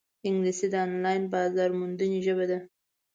انګلیسي د آنلاین بازارموندنې ژبه ده